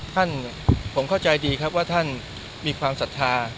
ท่านผมเข้าใจดีครับว่าท่านมีความศรัทธา